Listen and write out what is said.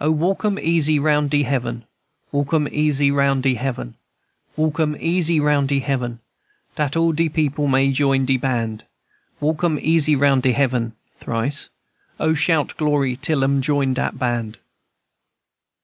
"O, walk 'em easy round de heaven, Walk 'em easy round de heaven, Walk 'em easy round de heaven, Dat all de people may join de band. Walk 'em easy round de heaven. (Thrice.) O, shout glory till 'em join dat band!"